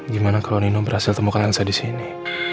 gimana kalo nino berhasil temukan elsa disini